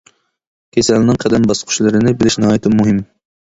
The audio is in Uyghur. كېسەلنىڭ قەدەم باسقۇچلىرىنى بىلىش ناھايىتى مۇھىم.